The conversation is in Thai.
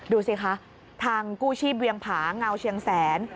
ดูสิคะทางกู้ชีพเวียงผาเงาเชียงแสน